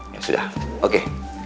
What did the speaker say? ya sudah oke